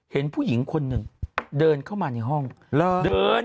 เห็นผู้หญิงคนหนึ่งเดินเข้ามาในห้องเดิน